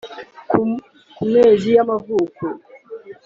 Ku mezi y’amavuko